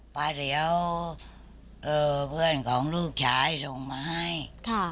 ป้าเดี๋ยวเพื่อนของลูกชายส่งมาให้ค่ะ